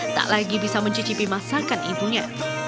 tak lagi bisa mencicipi masakan ibunya